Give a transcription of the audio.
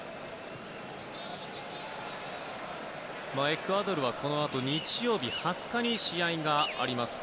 エクアドルはこのあと日曜日、２０日に試合があります。